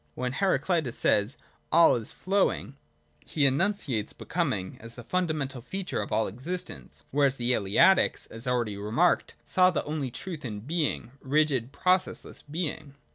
When Heraclitus says ' All is flowing {ixavTa pa.), he enunciates Becoming as the fundamental feature of all existence, whereas the Eleatics, as already remarked, saw the only truth in Being, rigid processless Being.